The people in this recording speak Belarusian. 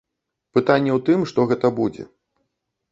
Пытанне ў тым, што гэта будзе.